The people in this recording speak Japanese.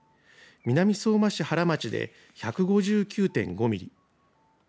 南相馬市原町で１５９．５ミリ